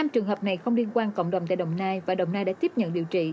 năm trường hợp này không liên quan cộng đồng tại đồng nai và đồng nai đã tiếp nhận điều trị